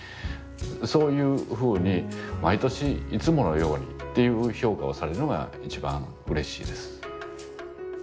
そういうふうに毎年「いつものように」っていう評価をされるのが一番うれしいです。